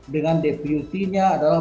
dengan deputinya adalah